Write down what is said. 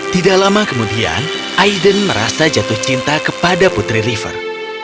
tidak lama kemudian aiden merasa jatuh cinta kepada putri river